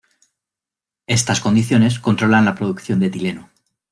Estas condiciones controlan la producción de etileno.